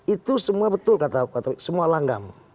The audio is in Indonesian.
itu semua betul kata pak topik semua langgam